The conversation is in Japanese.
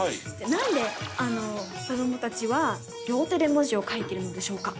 なんで子どもたちは両手で文字を書いてるのでしょうか？